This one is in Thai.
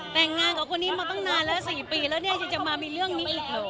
แต่งงานกับคนนี้มาตั้งนานแล้ว๔ปีแล้วเนี่ยฉันจะมามีเรื่องนี้อีก